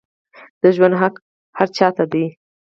د ژوند حق هر چا ته دی